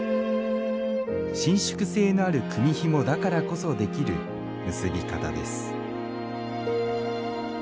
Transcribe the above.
伸縮性のある組みひもだからこそできる結び方です